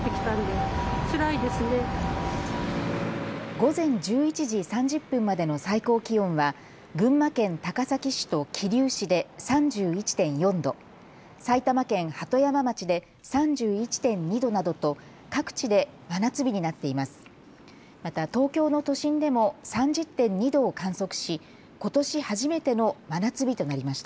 午前１１時３０分までの最高気温は群馬県高崎市と桐生市で３１．４度、埼玉県鳩山町で３１．２度などと各地で真夏日になっています。